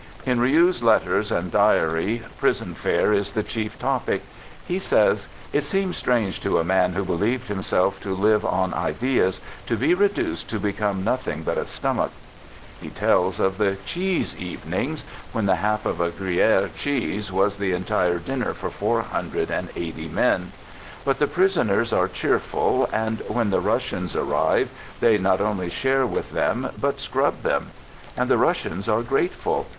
In Riou's letters and diary, prison fare is the chief topic. He says: " It seems strange to a man who believed himself to live on ideas to be reduced to become nothing but a stomach." He tells of the Digitized by 18 "THE GOOD SOLDIER "cheese evenings," when the half of a Gruyere cheese was the entire dinner for four hundred and eighty men. But the prisoners are cheerful, and when the Russians arrive, they not only share with them, but scrub them ! And the Russians are grate ful.